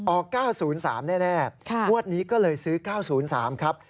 ๙๐๓แน่งวดนี้ก็เลยซื้อ๙๐๓ครับ